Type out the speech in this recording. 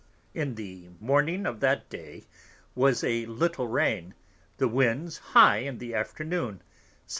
In the Morning of that day was a little Rain, the Winds high in the Afternoon: S.b.